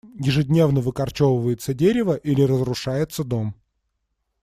Ежедневно выкорчевывается дерево или разрушается дом.